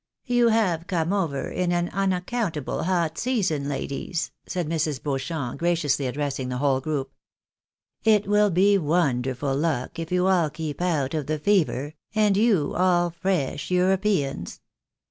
42 THE BAENABYS IN AMEIUCA. " You have come over in an unaccountable hot season, ladies," said Mrs. Beauchamp, graciously addressing the whole group. " It will be wonderful luck if you all keep out of the fever, and you all fresh Europeans."